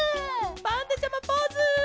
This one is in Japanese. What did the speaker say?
パンダちゃまポーズ！